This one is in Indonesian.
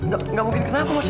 gak mungkin kenapa maksudnya